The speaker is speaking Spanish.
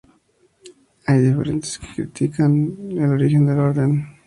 Hay diferentes fuentes que citan el origen de la orden.